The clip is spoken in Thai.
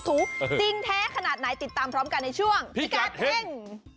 จริงแท้ขนาดไหนติดตามพร้อมกันในช่วงพิกัดเฮ่ง